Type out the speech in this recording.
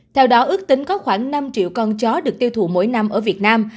theo đó ước tính có khoảng năm triệu con chó được tiêu thụ mỗi năm ở việt nam